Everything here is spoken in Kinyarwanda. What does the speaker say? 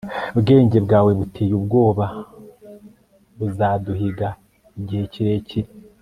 bwenge bwawe buteye ubwoba buzaduhiga igihe kirekire